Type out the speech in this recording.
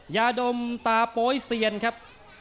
ยาดมตาโป๊ยเซียนครับ